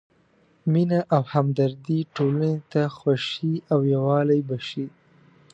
مینه او همدردي ټولنې ته خوښي او یووالی بښي.